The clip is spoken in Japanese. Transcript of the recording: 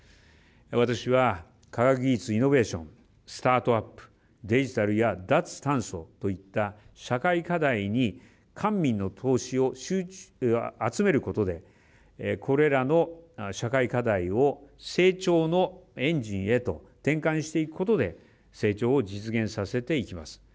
私は科学技術、イノベーションスタートアップデジタルや脱炭素といった社会課題に官民の投資を集めることでこれらの社会課題を成長のエンジンへと転換していくことで成長を実現させていきます。